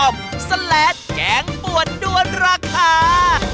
มันรักค่า